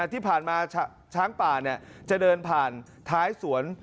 ที่ผ่านมาช้างป่าจะเดินผ่านท้ายสวน